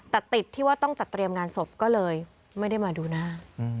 แต่ติดที่ว่าต้องจัดเตรียมงานศพก็เลยไม่ได้มาดูหน้า